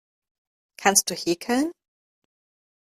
Kannst du häkeln?